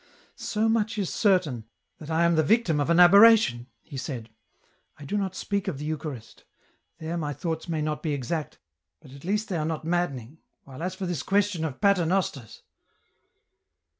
" So much is certain, that I am the victim of an aberra tion," he said. " I do not speak of the Eucharist ; there my thoughts may not be exact, but at least they are not maddening, while as for this question of paternosters